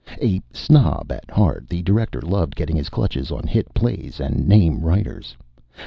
A snob at heart, the director loved getting his clutches on hit plays and name writers.